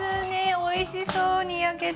おいしそうに焼けて。